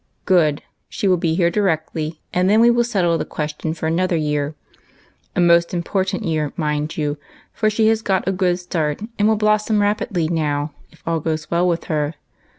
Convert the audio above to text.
" Good ! she will be here directly, and then we will settle the question for another year. A most impor tant year, mind you, for she has got a good start, and will blossom rapidly now if all goes well with her.